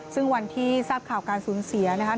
ซึ่งวันที่ทราบข่าวการสูญเสียนะครับ